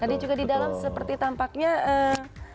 tadi juga di dalam seperti tampaknya eee